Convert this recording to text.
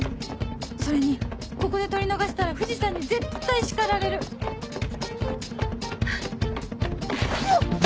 それにここで取り逃したら藤さんに絶対叱られる！うおっ！